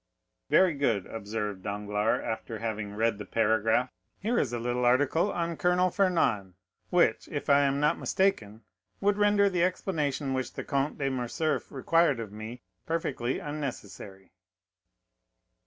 _ "Very good," observed Danglars, after having read the paragraph; "here is a little article on Colonel Fernand, which, if I am not mistaken, would render the explanation which the Comte de Morcerf required of me perfectly unnecessary."